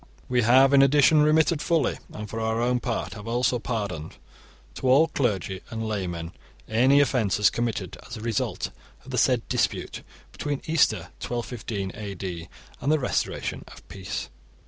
We have in addition remitted fully, and for our own part have also pardoned, to all clergy and laymen any offences committed as a result of the said dispute between Easter 1215 AD and the restoration of peace.